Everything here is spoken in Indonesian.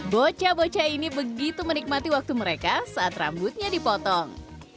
bocah bocah ini begitu menikmati waktu mereka saat rambutnya dipotong